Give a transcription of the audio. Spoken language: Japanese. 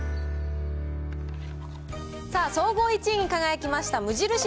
さあ、総合１位に輝きました無印